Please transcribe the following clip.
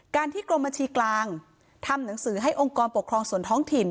ที่กรมบัญชีกลางทำหนังสือให้องค์กรปกครองส่วนท้องถิ่น